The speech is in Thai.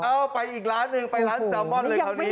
เอาไปอีกร้านหนึ่งไปร้านแซลมอนเลยคราวนี้